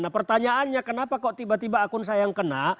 nah pertanyaannya kenapa kok tiba tiba akun saya yang kena